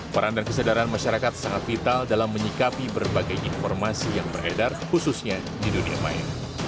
peran dan kesadaran masyarakat sangat vital dalam menyikapi berbagai informasi yang beredar khususnya di dunia maya